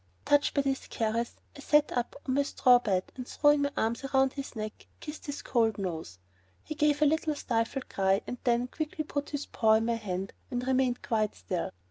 Touched by this caress, I sat up on my straw bed and throwing my arms round his neck kissed his cold nose. He gave a little stifled cry, and then quickly put his paw in my hand and remained quite still.